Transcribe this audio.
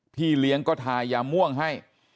พี่เลี้ยงก็ทายาม่วงให้